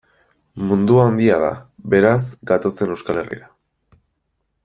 Mundua handia da, beraz, gatozen Euskal Herrira.